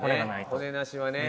骨なしはね。